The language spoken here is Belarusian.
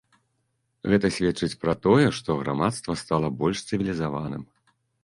Гэта сведчыць пра тое, што грамадства стала больш цывілізаваным?